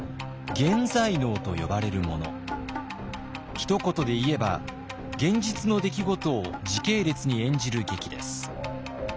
ひと言で言えば現実の出来事を時系列に演じる劇です。